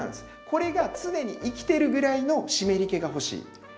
これが常に生きてるぐらいの湿り気が欲しい。